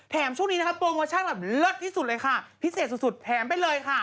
ช่วงนี้นะคะโปรโมชั่นแบบเลิศที่สุดเลยค่ะพิเศษสุดแถมไปเลยค่ะ